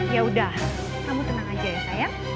ya udah kamu tenang aja ya saya